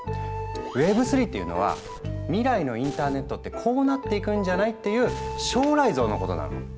Ｗｅｂ３っていうのは「未来のインターネットってこうなっていくんじゃない？」っていう将来像のことなの。